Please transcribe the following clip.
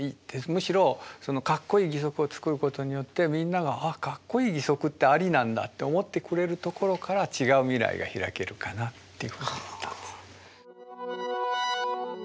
むしろカッコイイ義足を作ることによってみんなが「あカッコイイ義足ってアリなんだ」って思ってくれるところから違う未来が開けるかなっていうふうに思ったんです。